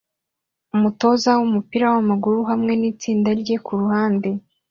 Umutoza wumupira wamaguru hamwe nitsinda rye kuruhande